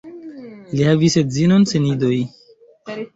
Li havis edzinon sen idoj.